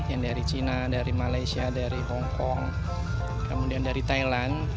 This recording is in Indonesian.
yang dari china dari malaysia dari hong kong kemudian dari thailand